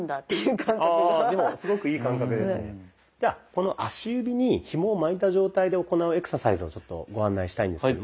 この足指にひもを巻いた状態で行うエクササイズをご案内したいんですけども。